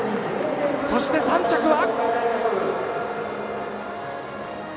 そして３着は。